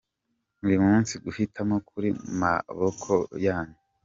Uyu munsi guhitamo kuri mu maboko yanyu.